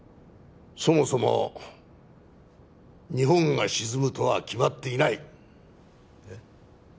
そもそも日本が沈むとは決まっていないええっ？